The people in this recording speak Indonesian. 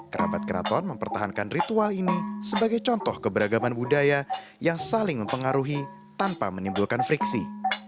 kerabat keraton mempertahankan ritual ini sebagai contoh keberagaman budaya yang saling mempengaruhi tanpa menimbulkan friksi